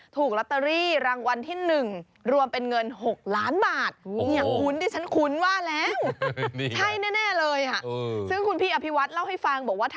ถูกลอตเตอรี่รางวัลที่๑รวมเป็นเงิน๖ล้านบาท